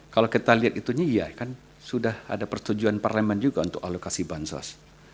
kalau kita lihat itunya iya kan sudah ada persetujuan parlemen juga untuk alokasi bansos